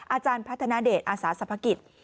อาจารย์พัฒนเดชน์อาสาสภกิจ